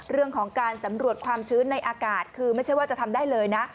เรื่องของการสำรวจความชื้นในอากาศคือไม่ใช่ว่าจะทำได้เลยนะ